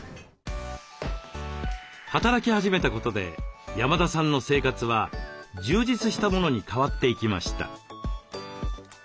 働き始めたことで山田さんの生活は充実したものに変わっていきました。